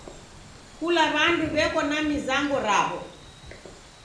Kula w'andu w'eko na mizango raw'o.